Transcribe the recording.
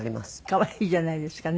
可愛いじゃないですかね。